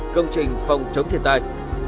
công trình phòng chống thiên tai